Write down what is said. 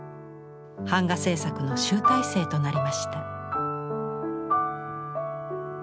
版画制作の集大成となりました。